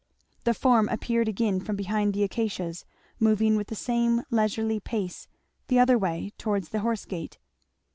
The form appeared again from behind the acacias, moving with the same leisurely pace the other way towards the horse gate.